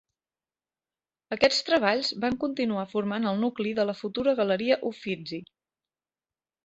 Aquests treballs van continuar formant el nucli de la futura Galeria Uffizi.